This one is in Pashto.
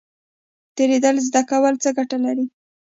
تیریدل زده کول څه ګټه لري؟